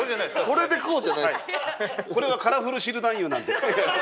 これがカラフル汁男優なんです。